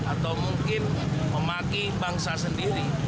atau mungkin memaki bangsa sendiri